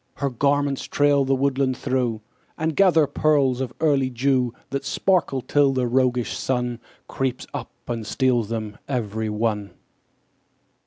Her garments trail the woodland through, And gather pearls of early dew That sparkle till the roguish Sun Creeps up and steals them every one.